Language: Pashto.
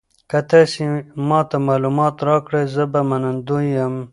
که تاسي ما ته معلومات راکړئ زه به منندوی یم.